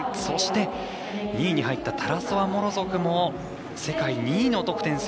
そして、２位に入ったタラソワ、モロゾフも世界２位の得点。